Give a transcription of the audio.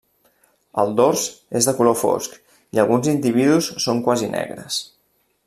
El dors és de color fosc i alguns individus són quasi negres.